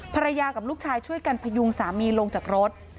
ภรรยากับลูกชายช่วยกันพยุงสามีลงจากรถ